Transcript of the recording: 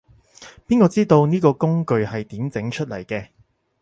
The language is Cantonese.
邊個知道，呢個工具係點整出嚟嘅